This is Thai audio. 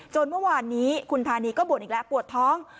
จนว่าวันนี้คุณธานีก็ปวดอีกแล้วปวดท้อง